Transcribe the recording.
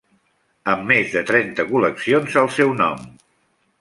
Amb més de trenta col·leccions al seu nom.